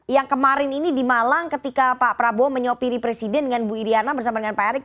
yang kemarin ini di malang ketika pak prabowo menyopiri presiden dengan bu iryana bersama dengan pak erick